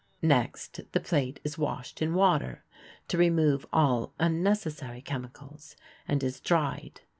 Next, the plate is washed in water to remove all unnecessary chemicals, and is dried.